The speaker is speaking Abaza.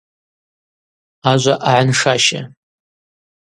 Ажва агӏаншаща.